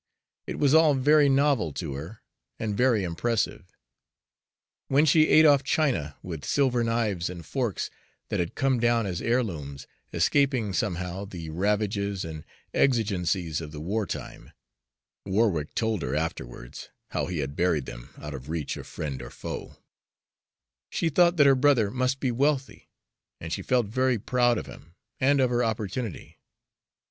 It was all very novel to her, and very impressive. When she ate off china, with silver knives and forks that had come down as heirlooms, escaping somehow the ravages and exigencies of the war time, Warwick told her afterwards how he had buried them out of reach of friend or foe, she thought that her brother must be wealthy, and she felt very proud of him and of her opportunity.